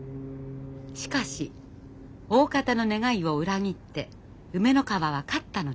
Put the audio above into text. しかし大方の願いを裏切って梅ノ川は勝ったのです。